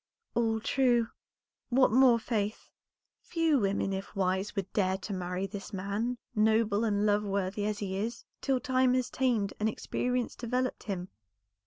"All true; what more, Faith?" "Few women, if wise, would dare to marry this man, noble and love worthy as he is, till time has tamed and experience developed him.